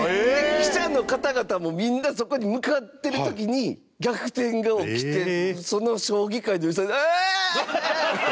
記者の方々もみんな、そこに向かってる時に逆転が起きてその将棋界のおじさんが「うわー！」って。